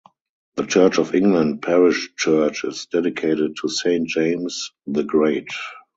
The Church of England parish church is dedicated to Saint James the Great.